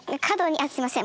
あっすいません